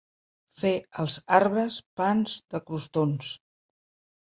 Fer els arbres pans de crostons.